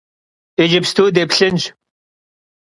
Yicıpstu dêplhınş.